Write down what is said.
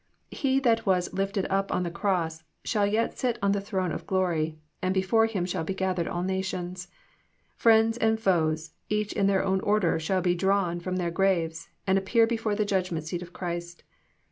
He that was "lifted up" on the cross shall yet sit on the throne of glory, and before Him shall be gathered all nations. Friends and foes, each in their own order, shall be " drawn " from their graves, and ap pear before the judgment seat of Christ.